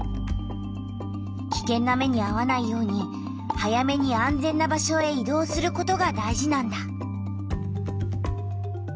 きけんな目にあわないように早めに安全な場所へ移動することが大事なんだ。